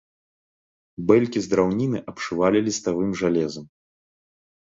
Бэлькі з драўніны абшывалі ліставым жалезам.